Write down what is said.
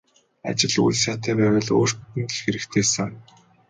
Ажил үйл сайтай байвал өөрт нь л хэрэгтэйсэн.